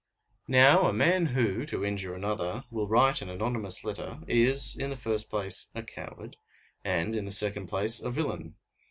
Now, a man who, to injure another, will write an anonymous letter, is, in the first place, a coward, and, in the second place, a villain.